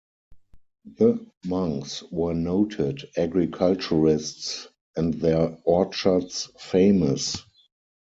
The monks were noted agriculturists and their orchards famous.